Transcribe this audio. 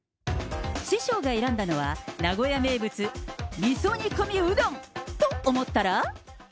師匠が選んだのは、名古屋名物、みそ煮込みうどんと思ったら。